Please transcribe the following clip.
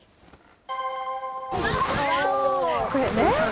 これね。